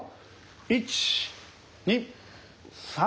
１２３。